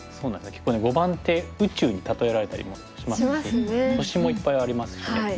結構碁盤って宇宙に例えられたりもしますし星もいっぱいありますしね。